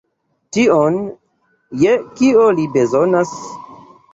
Tion, je kio li bezonas.